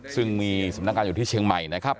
ซึ่งมีสำนักงานอยู่ที่เชียงใหม่นะครับ